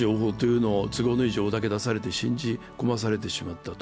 都合のいい情報だけ出されて信じ込まされてしまった。